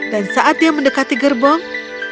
dan saat dia mendekati gerbong